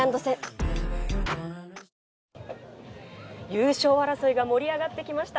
優勝争いが盛り上がってきました